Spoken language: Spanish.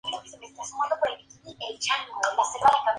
Se encuentra en Suazilandia, Tanzania, Zimbabue.